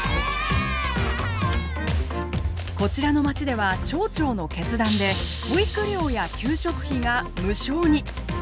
こちらのまちでは町長の決断で保育料や給食費が無償に。